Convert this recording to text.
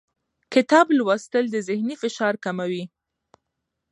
کتاب لوستل د ذهني فشار کموي